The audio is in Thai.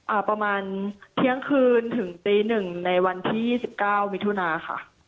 อ่าประมาณเที่ยงคืนถึงตีหนึ่งในวันที่ยี่สิบเก้ามิถุนาค่ะ